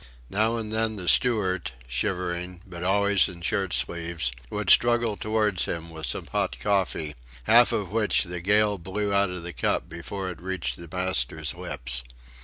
Now and then the steward, shivering, but always in shirt sleeves, would struggle towards him with some hot coffee, half of which the gale blew out of the cup before it reached the master's lips.